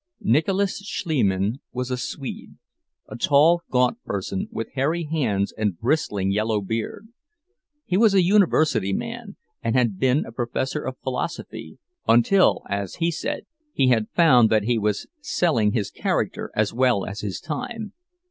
Nicholas Schliemann was a Swede, a tall, gaunt person, with hairy hands and bristling yellow beard; he was a university man, and had been a professor of philosophy—until, as he said, he had found that he was selling his character as well as his time.